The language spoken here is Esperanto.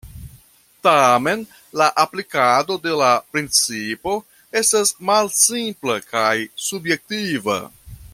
Tamen la aplikado de la principo estas malsimpla kaj subjektiva.